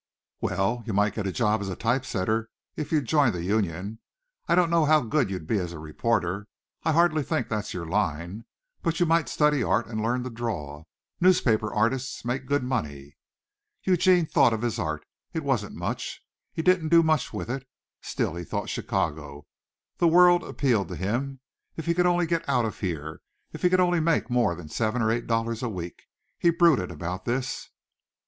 "Well, you might get a job as type setter if you'd join the union. I don't know how good you'd be as a reporter I hardly think that's your line. But you might study art and learn to draw. Newspaper artists make good money." Eugene thought of his art. It wasn't much. He didn't do much with it. Still he thought of Chicago; the world appealed to him. If he could only get out of here if he could only make more than seven or eight dollars a week. He brooded about this.